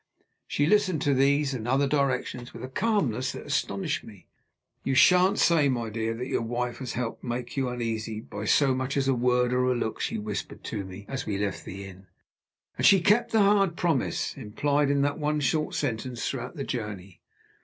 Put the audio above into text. She listened to these and other directions with a calmness that astonished me. "You shan't say, my dear, that your wife has helped to make you uneasy by so much as a word or a look," she whispered to me as we left the inn. And she kept the hard promise implied in that one short sentence throughout the journey.